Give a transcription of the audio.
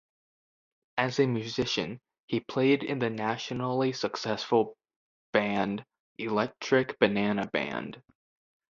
As a musician, he played in the nationally successful band Electric Banana Band.